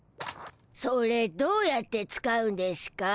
それどうやって使うんでしゅか？